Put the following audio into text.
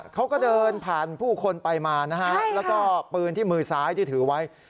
เขาก็เดินผ่านผู้คนไปมานะฮะแล้วก็ปืนที่มือซ้ายที่ถือไว้